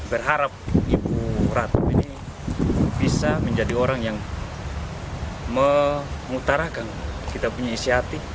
berharap ibu ratu ini bisa menjadi orang yang mengutarakan kita punya isi hati